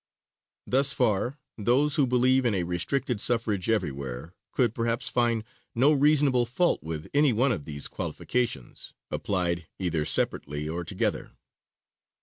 Thus far, those who believe in a restricted suffrage everywhere, could perhaps find no reasonable fault with any one of these qualifications, applied either separately or together.